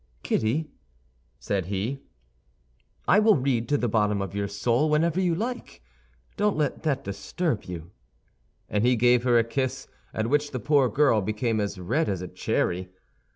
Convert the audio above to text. "Kitty," said he, "I will read to the bottom of your soul whenever you like; don't let that disturb you." And he gave her a kiss at which the poor girl became as red as a cherry.